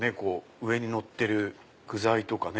上にのってる具材とかね。